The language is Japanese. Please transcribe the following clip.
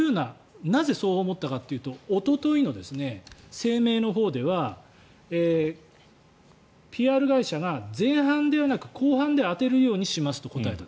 なぜ、そう思ったかというとおとといの声明のほうではＰＲ会社が前半ではなく後半で当てるようにしますと答えた。